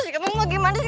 sekarang mau gimana sih